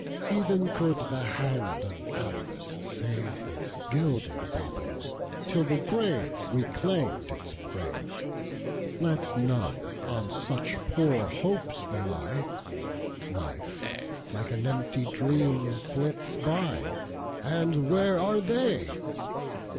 Even could the hand of avarice saveIts gilded baubles, till the graveReclaimed its prey, Let none on such poor hopes rely; Life, like an empty dream, flits by, And where are they?